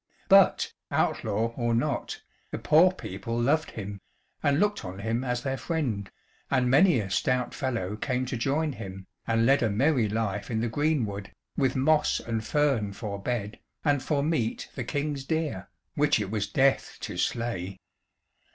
But, outlaw or not, the poor people loved him and looked on him as their friend, and many a stout fellow came to join him, and led a merry life in the greenwood, with moss and fern for bed, and for meat the King's deer, which it was death to slay.